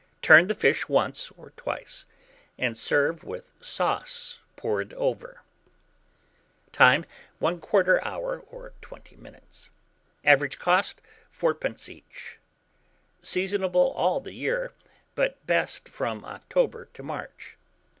Turn the fish once or twice, and serve with the sauce poured over. Time. 1/4 hour or 20 minutes. Average cost, 4d. each. Seasonable all the year, but best from October to March.